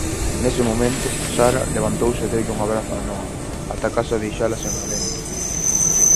Nese momento, Sara levantouse e deulle un abrazo a Noa ata case deixala sen alento.